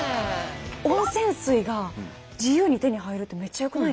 温泉水が自由に手に入るってめっちゃよくないですか？